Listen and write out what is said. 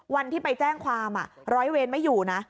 วันที่ไปแจ้งความร้อยเวรไม่อยู่นะ